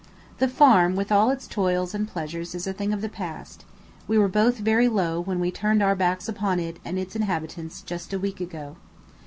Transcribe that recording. The Farm with all its toils and pleasures is a thing of the past; we were both very low when we turned our backs upon it and its inhabitants just a week ago.